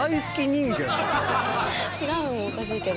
「違う」もおかしいけど。